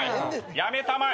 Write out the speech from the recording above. やめたまえ！